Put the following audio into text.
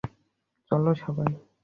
চলো, সবাই!